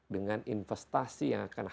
dengan investasi yang akan